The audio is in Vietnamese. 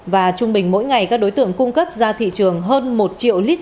và trung bình mỗi ngày các đối tượng cung cấp